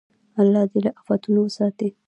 الله دې له افتونو وساتي.